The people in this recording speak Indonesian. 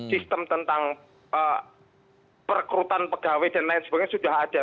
sistem tentang perkrutan pegawai dan lain sebagainya sudah ada